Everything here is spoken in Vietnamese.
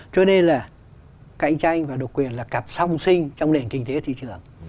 cho nên là cạnh tranh và độc quyền là cặp song sinh trong nền kinh tế thị trường